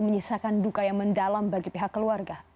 menyisakan duka yang mendalam bagi pihak keluarga